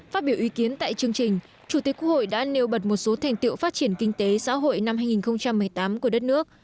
phát biểu ý kiến tại chương trình chủ tịch quốc hội đã nêu bật một số thành tiệu phát triển kinh tế xã hội năm hai nghìn một mươi tám của đất nước